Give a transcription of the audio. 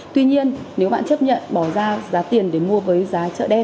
tuy nhiên nếu bạn chấp nhận bỏ ra giá tiền để mua với giá